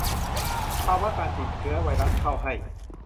ภาวะการติดเชื้อไวรัสเข้าให้